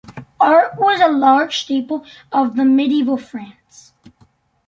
Art was a large staple of the medieval France.